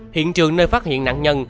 hiện trường nơi phát hiện nạn nhân